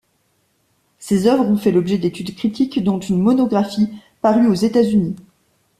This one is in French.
Ses œuvres ont fait l’objet d’études critiques dont une monographie parue aux États-Unis.